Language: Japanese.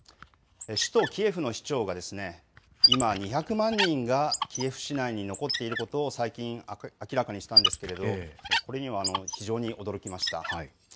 首都キエフの市長が今、２００万人がキエフ市内に残っていることを最近、明らかにしたんですけれど、これには非常に驚きました。